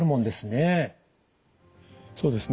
そうですね。